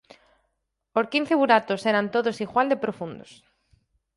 Os quince buratos eran todos igual de profundos.